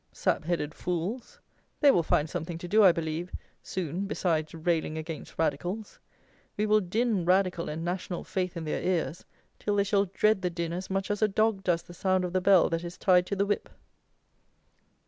Sap headed fools! They will find something to do, I believe, soon, besides railing against radicals. We will din "radical" and "national faith" in their ears, till they shall dread the din as much as a dog does the sound of the bell that is tied to the whip.